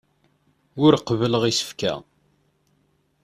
Ur qebbleɣ isefka.